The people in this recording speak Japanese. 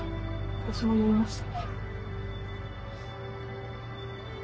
私も酔いました。